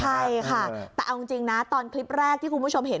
ใช่ค่ะแต่เอาจริงนะตอนคลิปแรกที่คุณผู้ชมเห็น